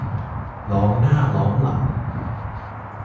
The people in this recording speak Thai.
ล้อมหน้าล้อมหลัง